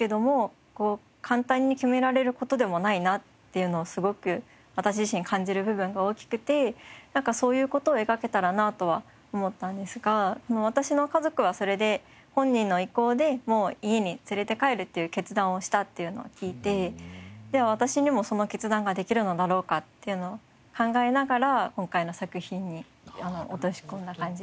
いうのをすごく私自身感じる部分が大きくてなんかそういう事を描けたらなとは思ったんですが私の家族はそれで本人の意向でもう家に連れて帰るという決断をしたっていうのを聞いて私にもその決断ができるのだろうかっていうのを考えながら今回の作品に落とし込んだ感じです。